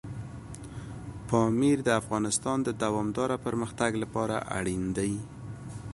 پامیر د افغانستان د دوامداره پرمختګ لپاره اړین دي.